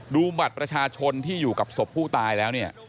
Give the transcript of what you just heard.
ดูบัตรประชาชนที่อยู่กับศพผู้ตายแล้วเนี่ย